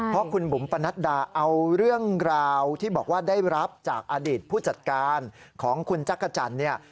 เพราะคุณบุ๋มปนัดดาเอาเรื่องราวที่บอกว่าได้รับจากอดีตผู้จัดการของคุณจักรจันทร์เนี่ย